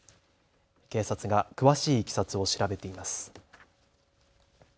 警察が詳しいいきさつを調べています。